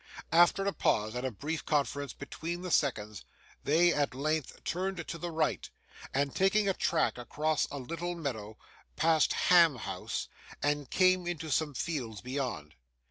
After a pause, and a brief conference between the seconds, they, at length, turned to the right, and taking a track across a little meadow, passed Ham House and came into some fields beyond.